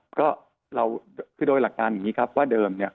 ก็เราคือโดยหลักการอย่างนี้ครับว่าเดิมเนี่ย